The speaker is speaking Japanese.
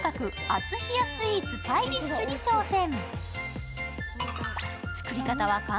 熱冷スイーツパイリッシュに挑戦。